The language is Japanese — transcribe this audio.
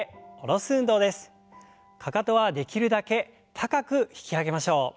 かかとはできるだけ高く引き上げましょう。